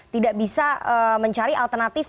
tidak bisa mencari alternatif